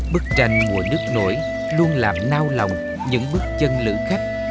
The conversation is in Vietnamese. bức tranh mùa nước nổi luôn làm nao lòng những bước chân lửa khách